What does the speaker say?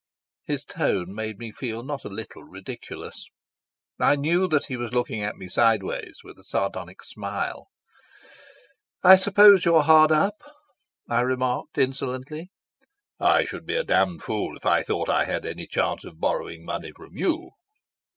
His tone made me feel not a little ridiculous. I knew that he was looking at me sideways, with a sardonic smile. "I suppose you are hard up," I remarked insolently. "I should be a damned fool if I thought I had any chance of borrowing money from you."